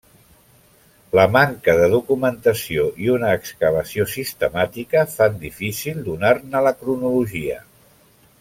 La manca de documentació i una excavació sistemàtica fan difícil donar-ne la cronologia.